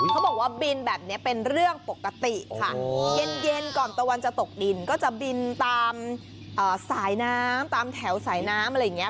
เขาบอกว่าบินแบบนี้เป็นเรื่องปกติค่ะเย็นก่อนตะวันจะตกดินก็จะบินตามสายน้ำตามแถวสายน้ำอะไรอย่างนี้